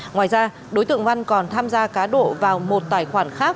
ngoài ra đối tượng văn còn tham gia cá độ vào một tài khoản khác